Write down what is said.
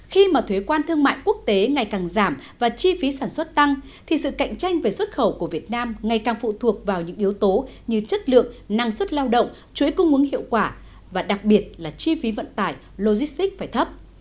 khi mà thuế quan thương mại quốc tế ngày càng giảm và chi phí sản xuất tăng thì sự cạnh tranh về xuất khẩu của việt nam ngày càng phụ thuộc vào những yếu tố như chất lượng năng suất lao động chuỗi cung ứng hiệu quả và đặc biệt là chi phí vận tải logistics phải thấp